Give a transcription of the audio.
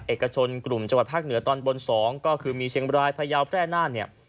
เอกชนกลุ่มจังหวัดภาคเหนือตอนบน๒ก็คือมีเชียงบรายพยาวแพร่นานเนี่ย